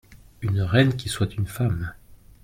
Une reine qui soit une femme.